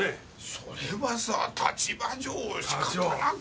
それはさ立場上仕方なく。